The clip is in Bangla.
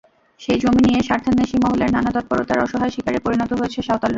সেই জমি নিয়ে স্বার্থান্বেষী মহলের নানা তৎপরতার অসহায় শিকারে পরিণত হয়েছে সাঁওতালরা।